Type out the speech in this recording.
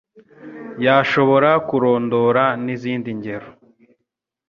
yashobora kurondora n’izindi ngero